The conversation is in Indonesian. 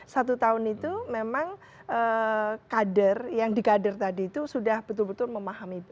satu tahun itu memang kader yang di kader tadi itu sudah betul betul memahami